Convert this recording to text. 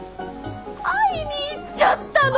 会いに行っちゃったの！